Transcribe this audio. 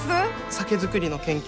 酒造りの研究